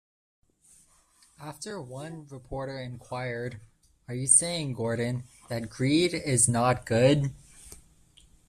After one reporter inquired, Are you saying, Gordon, that greed is not good?